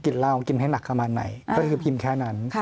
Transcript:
กินเหล้ากินให้หนักขนาดไหนก็คือพิมพ์แค่นั้น